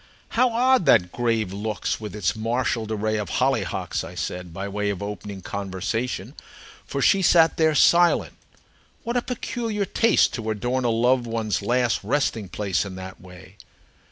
"How odd that grave looks with its marshalled array of hollyhocks!" I said, by way of opening conversation, for she sat there silent. "What a peculiar taste, to adorn a loved one's last resting place in that way!"